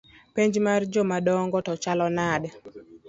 Penj mar jomadongo to chalo nade?